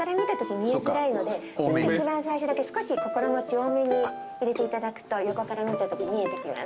一番最初だけ少し心持ち多めに入れていただくと横から見たとき見えてきます。